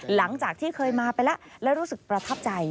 หลังจากที่เคยมาไปแล้วแล้วรู้สึกประทับใจ